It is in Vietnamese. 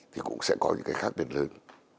thì cũng sẽ có những cái khác biệt lớn